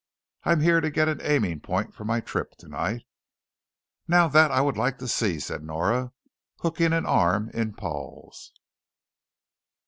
I'm here to get an aiming point for my trip tonight." "Now that I would like to see," said Nora, hooking an arm in Paul's.